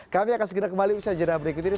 kami akan segera kembali usaha jadwal berikut ini